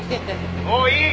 「もういい！